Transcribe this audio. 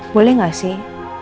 boleh gak sih